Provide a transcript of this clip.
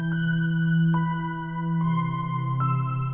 pindah dalem ya